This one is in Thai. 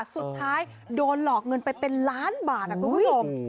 สุดท้ายโดนหลอกเงินไปเป็นล้านบาทคุณผู้ชม